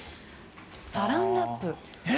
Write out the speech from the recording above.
サランラップ。